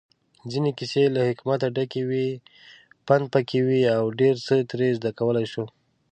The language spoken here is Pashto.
ځينې کيسې له حکمت ډکې وي، پندپکې وي اوډيرڅه ترې زده کولی شو